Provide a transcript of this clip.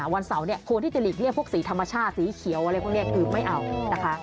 วันเสาร์เนี่ยควรที่จะหลีกเลี่ยพวกสีธรรมชาติสีเขียวอะไรพวกนี้คือไม่เอานะคะ